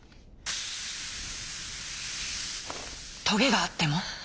「トゲがあっても？」。